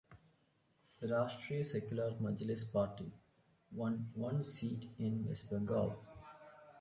The Rashtriya Secular Majlis Party won one seat in West Bengal.